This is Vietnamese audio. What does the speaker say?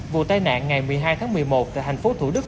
vụ tai nạn ngày một mươi hai tháng một mươi một tại thành phố thủ đức